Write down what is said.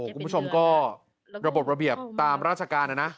คุณผู้ชมก็ระบบระเบียบตามราชการนะนะ